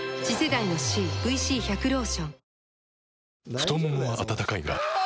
太ももは温かいがあ！